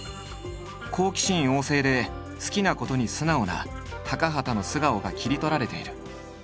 好奇心旺盛で好きなことに素直な高畑の素顔が切り取られている。